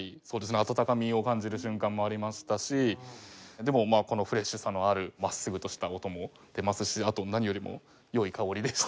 温かみを感じる瞬間もありましたしでもこのフレッシュさのある真っすぐとした音も出ますしあと何よりも良い香りでした。